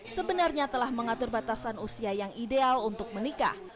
sebenarnya telah mengatur batasan usia yang ideal untuk menikah